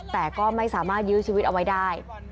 แต่ก็ไม่สามารถยื้อชีวิตเอาไว้ได้